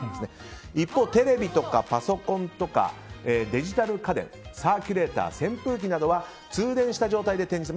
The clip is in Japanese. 一方、テレビとかパソコンデジタル家電サーキュレーター扇風機などは通電した状態で展示。